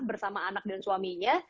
bersama anak dan suaminya